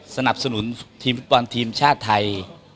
สนับสนุนทีมฟุตบอลทีมชาติไทย